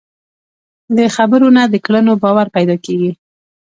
د خبرو نه، د کړنو باور پیدا کېږي.